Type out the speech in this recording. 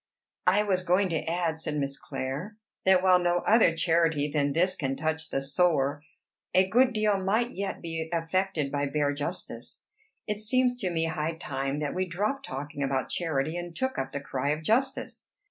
"I was going to add," said Miss Clare, "that while no other charity than this can touch the sore, a good deal might yet be effected by bare justice. It seems to me high time that we dropped talking about charity, and took up the cry of justice.